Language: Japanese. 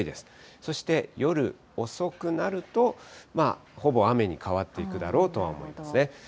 そして、夜遅くなると、ほぼ雨に変わっていくだろうとは思いますね。